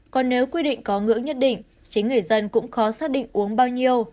còn nếu quy định có ngưỡng nhất định chính người dân cũng khó xác định uống bao nhiêu